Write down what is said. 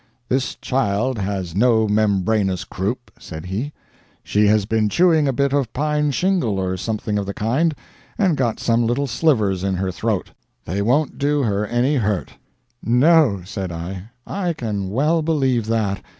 "This child has no membranous croup," said he. "She has been chewing a bit of pine shingle or something of the kind, and got some little slivers in her throat. They won't do her any hurt." "No," said I, "I can well believe that.